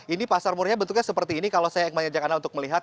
ini pasar murahnya bentuknya seperti ini kalau saya mengajak anda untuk melihat